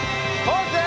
ポーズ！